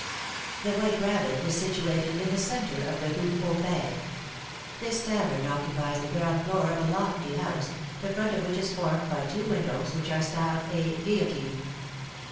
The White Rabbit is situated in the centre of the Rue aux Fêves. This tavern occupies the ground floor of a lofty house, the front of which is formed by two windows, which are styled "a guillotine."